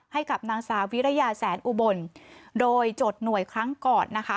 ให้กับนางสาวิรยาแสนอุบลโดยจดหน่วยครั้งก่อนนะคะ